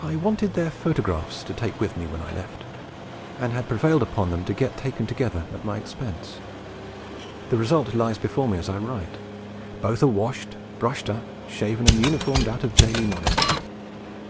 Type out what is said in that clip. I wanted their photographs to take with me when I left, and had prevailed upon them to get taken together at my expense. The result lies before me as I write. Both are washed, brushed up, shaven and uniformed out of daily knowledge.